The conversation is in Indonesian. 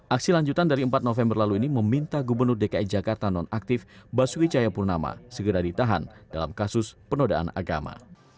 aksi lanjutan dari empat november lalu ini meminta gubernur dki jakarta nonaktif basuki cahayapurnama segera ditahan dalam kasus penodaan agama